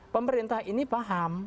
pemerintah ini paham